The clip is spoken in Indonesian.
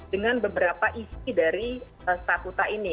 dengan beberapa isi dari statuta ini